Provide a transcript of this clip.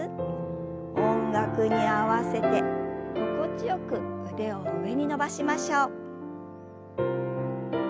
音楽に合わせて心地よく腕を上に伸ばしましょう。